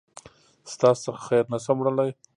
ستاسو څخه خير نسم وړلای